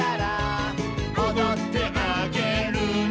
「おどってあげるね」